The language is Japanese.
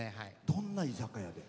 どんな居酒屋で？